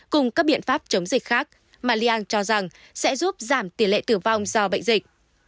cùng các biện pháp chống dịch khác maliang cho rằng sẽ giúp giảm tỷ lệ tử vong do bệnh dịch